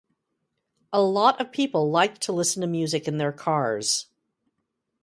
A lot of people like to listen to music in their cars.